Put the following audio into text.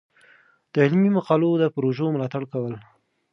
د علمي مقالو د پروژو ملاتړ کول.